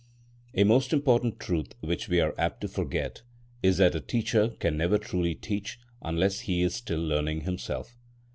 A most important truth, which we are apt to forget, is that a teacher can never truly teach unless he is still learning himself.